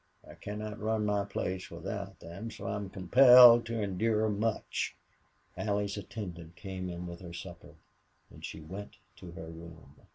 I cannot run my place without them, so I am compelled to endure much." Allie's attendant came in with her supper and she went to her room.